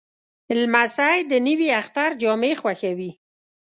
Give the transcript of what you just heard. لمسی د نوي اختر جامې خوښوي.